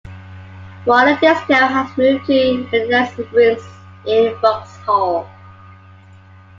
Roller Disco has moved to Renaissance Rooms in Vauxhall.